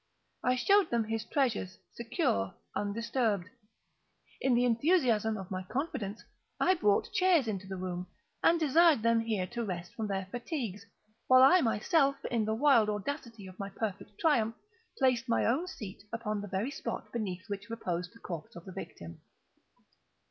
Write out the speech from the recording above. I showed them his treasures, secure, undisturbed. In the enthusiasm of my confidence, I brought chairs into the room, and desired them here to rest from their fatigues, while I myself, in the wild audacity of my perfect triumph, placed my own seat upon the very spot beneath which reposed the corpse of the victim.